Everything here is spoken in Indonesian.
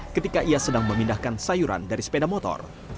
ketika ia sedang memindahkan sayuran dari sepeda motor